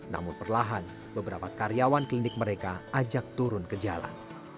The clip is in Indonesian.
namun perlahan beberapa karyawan klinik mereka ajak turun ke jalan